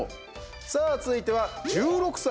さあ、続いては１６歳